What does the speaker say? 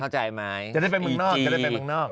จะได้ไปเมืองนอก